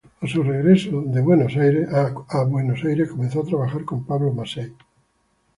A su regreso a Buenos Aires comenzó a trabajar con Pablo Massey.